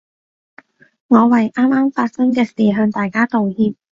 我為啱啱發生嘅事向大家道歉